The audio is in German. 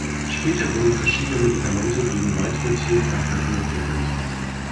Später wurden verschiedene Medikamente gegen weitere Tierkrankheiten entwickelt.